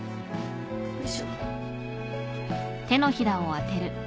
よいしょ。